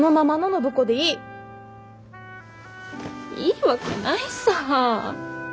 いいわけないさぁ。